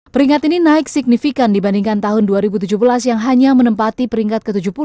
peringatan ini naik signifikan dibandingkan tahun dua ribu tujuh belas yang hanya menempati peringkat ke tujuh puluh